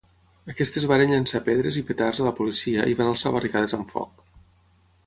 Aquestes varen llençar pedres i petards a la policia i van alçar barricades amb foc.